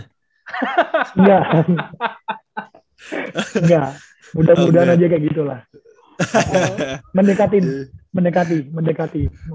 hahaha enggak enggak mudah mudahan aja kayak gitu lah mendekatin mendekati mendekati